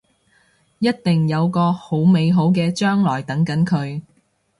一定有個好美好嘅將來等緊佢